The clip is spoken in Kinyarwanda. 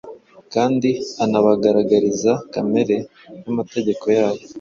kandi anabagaragariza kamere y’amategeko yayo.